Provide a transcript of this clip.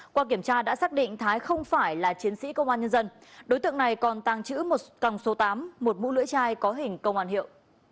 qua kiểm tra đã xác định thái không phải là chiến sĩ công an nhân dân đối tượng này còn tàng trữ một còng số tám một mũ lưỡi chai có hình công an hiệu